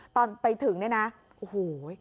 ตอนไปถึงเนี่ยนะโอ้โห